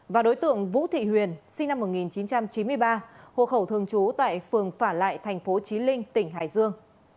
và đối tượng vũ thị huyền sinh năm một nghìn chín trăm chín mươi ba hộ khẩu thường trú tại phường phả lại thành phố trí linh tỉnh hải dương